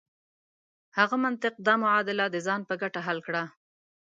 هغه منطق دا معادله د ځان په ګټه حل کړه.